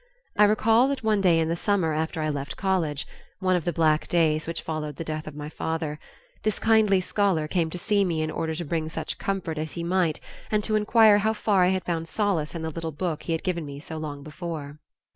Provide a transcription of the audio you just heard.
I recall that one day in the summer after I left college one of the black days which followed the death of my father this kindly scholar came to see me in order to bring such comfort as he might and to inquire how far I had found solace in the little book he had given me so long before.